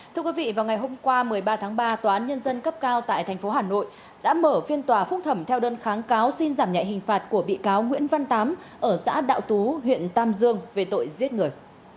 thưa quý vị vào ngày hôm qua một mươi ba tháng ba tòa án nhân dân cấp cao tại tp hà nội đã mở phiên tòa phúc thẩm theo đơn kháng cáo xin giảm nhạy hình phạt của bị cáo nguyễn văn tám ở xã đạo tú huyện tam dương về tội giết người